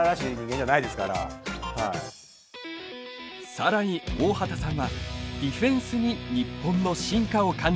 更に大畑さんはディフェンスに日本の進化を感じたと言う。